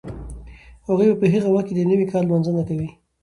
هغوی به په هغه وخت کې د نوي کال لمانځنه کوي.